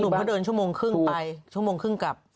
คุณหนุ่มพี่ว่าเดินชั่วโมงครึ่งไปชั่วโมงครึ่งกลับ